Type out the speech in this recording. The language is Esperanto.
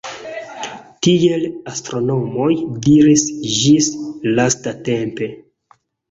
Tiel astronomoj diris ĝis lastatempe.